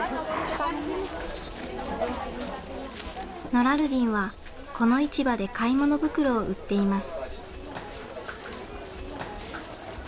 ノラルディンはこの市場で買い物袋を売っています。